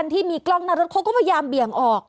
ที่มีกล้องหน้ารถเขาก็พยายามเบี่ยงออก